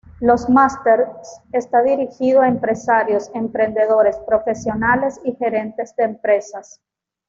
Los Masters está dirigidos a empresarios, emprendedores, profesionales y gerentes de empresas.